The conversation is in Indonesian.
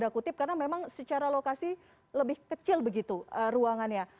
karena memang secara lokasi lebih kecil begitu ruangannya